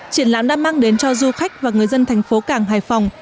triển lãm đã mang đến cho du khách và người dân thành phố cảng hải phòng